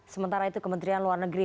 sementara itu kementerian luar negeri